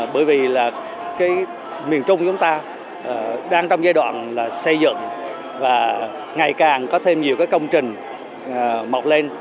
bởi vì là miền trung chúng ta đang trong giai đoạn xây dựng và ngày càng có thêm nhiều công trình mọc lên